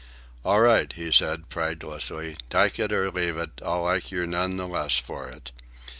"All right," he said pridelessly, "tyke it or leave it, I'll like yer none the less for it."